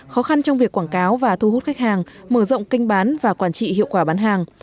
khó khăn trong việc quảng cáo và thu hút khách hàng mở rộng kinh bán và quản trị hiệu quả bán hàng